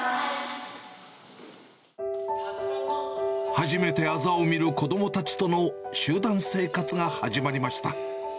初めてあざを見る子どもたちとの集団生活が始まりました。